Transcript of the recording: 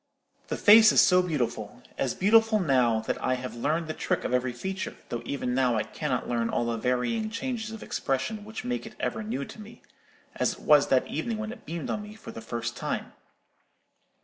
"The face is so beautiful,—as beautiful now that I have learned the trick of every feature, though even now I cannot learn all the varying changes of expression which make it ever new to me, as it was that evening when it beamed on me for the first time.